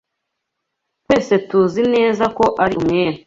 Twese tuzi neza ko ari umwere.